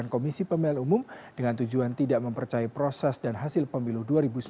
komisi pemilihan umum dengan tujuan tidak mempercayai proses dan hasil pemilu dua ribu sembilan belas